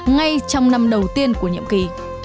ngay trong năm đầu tiên của nhiệm kỳ